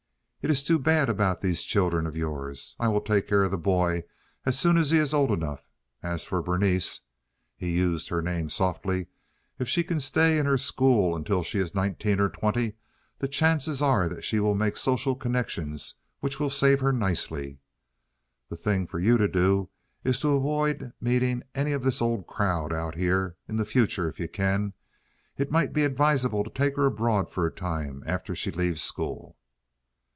It is too bad about these children of yours. I will take care of the boy as soon as he is old enough. As for Berenice"—he used her name softly—"if she can stay in her school until she is nineteen or twenty the chances are that she will make social connections which will save her nicely. The thing for you to do is to avoid meeting any of this old crowd out here in the future if you can. It might be advisable to take her abroad for a time after she leaves school."